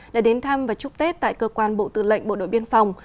đã đến thăm và chúc tết tại cơ quan bộ tư lệnh bộ đội biên phòng